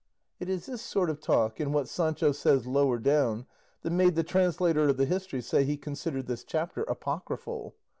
It is this sort of talk, and what Sancho says lower down, that made the translator of the history say he considered this chapter apocryphal.